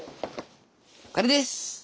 これです！